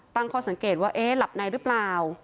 ตั้งข้อสังเกตว่าเอ๊ะหลับในหรือเปล่า